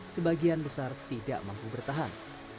sebagian besar tidak mampu bertahan